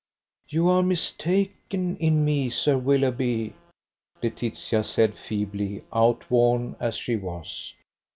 "You are mistaken in me, Sir Willoughby." Laetitia said feebly, outworn as she was.